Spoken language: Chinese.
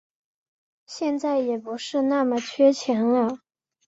现在也不是那么缺钱了